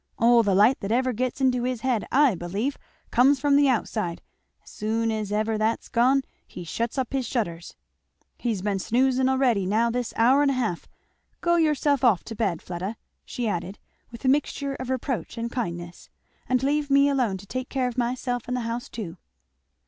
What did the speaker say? All the light that ever gets into his head, I believe, comes from the outside; as soon as ever that's gone he shuts up his shutters. He's been snoozing a'ready now this hour and a half. Go yourself off to bed, Fleda," she added with a mixture of reproach and kindness, "and leave me alone to take care of myself and the house too."